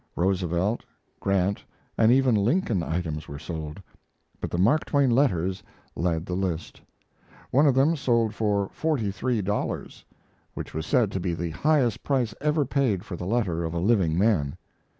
Roosevelt, Grant, and even Lincoln items were sold; but the Mark Twain letters led the list. One of them sold for forty three dollars, which was said to be the highest price ever paid for the letter of a living man.